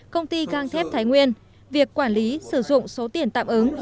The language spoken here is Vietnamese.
công ty gang thép thái nguyên việc quản lý sử dụng số tiền tạm ứng